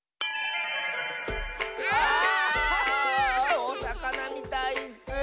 ああっ！おさかなみたいッス！